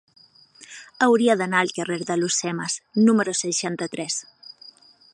Hauria d'anar al carrer d'Alhucemas número seixanta-tres.